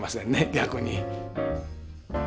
逆に。